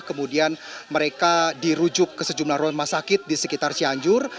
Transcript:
kemudian mereka dirujuk ke sejumlah rumah sakit di sekitar cianjur